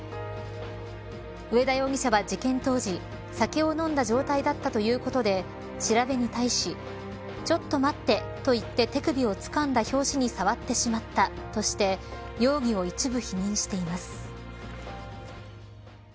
上田容疑者は事件当時酒を飲んだ状態だったということで調べに対しちょっと待って、と言って手首をつかんだ拍子に触ってしまったとして容疑を一部否認しています。